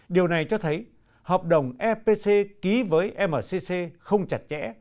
điều này cho thấy hợp đồng epc ký với mcc không chặt chẽ